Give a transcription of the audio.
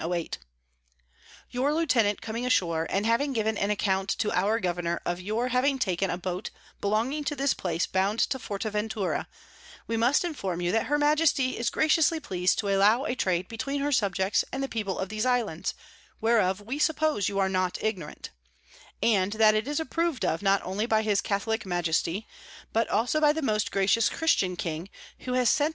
'Your Lieutenant coming ashore, and having given an account to our Governor of your having taken a Boat belonging to this place bound to Forteventura; we must inform you that her Majesty is graciously pleas'd to allow a Trade between her Subjects and the People of these Islands, whereof we suppose you are not ignorant; and that it is approv'd of not only by his Catholick Majesty, but also by the most gracious Christian King, who has sent [Sidenote: _Amongst the Canary Isles.